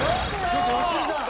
ちょっと良純さん！